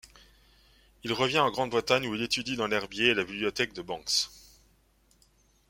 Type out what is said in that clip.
Il revient en Grande-Bretagne où il étudie dans l’herbier et la bibliothèque de Banks.